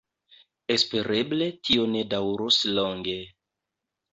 Espereble tio ne daŭros longe.